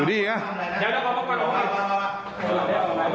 ระวังข้างบนระวังข้างบน